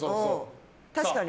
確かに。